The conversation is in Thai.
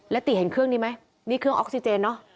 ติเห็นเครื่องนี้ไหมนี่เครื่องออกซิเจนเนอะ